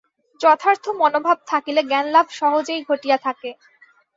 যথার্থ মনোভাব থাকিলে জ্ঞানলাভ সহজেই ঘটিয়া থাকে।